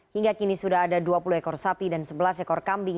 hingga kini sudah ada dua puluh ekor sapi dan sebelas ekor kambing